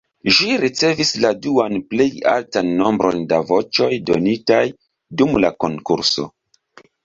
Ĝi ricevis la duan plej altan nombron da voĉoj donitaj dum la konkurso.